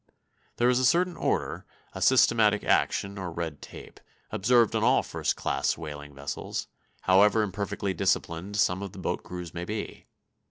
There is a certain order, systematic action, or red tape, observed on all first class whaling vessels, however imperfectly disciplined some of the boat crews may be.